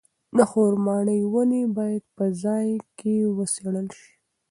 د خورما ونې باید په ځای کې وڅېړل شي.